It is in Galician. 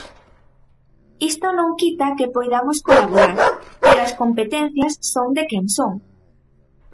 Isto non quita que poidamos colaborar, pero as competencias son de quen son.